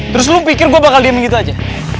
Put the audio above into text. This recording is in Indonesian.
terus lo pikir gue bakal diem gitu aja